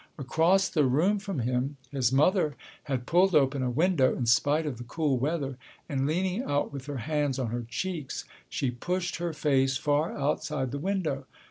Across the room from him his mother had pulled open a window, in spite of the cool weather, and leaning out with her hands on her cheeks, she pushed her face far outside the window.